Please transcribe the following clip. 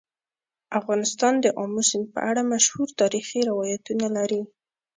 افغانستان د آمو سیند په اړه مشهور تاریخی روایتونه لري.